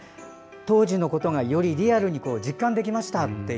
当時のことが、よりリアルに実感できましたって。